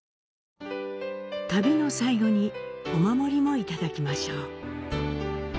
旅の最後にお守りもいただきましょう。